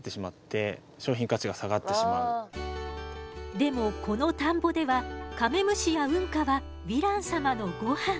でもこの田んぼではカメムシやウンカはヴィラン様のごはん。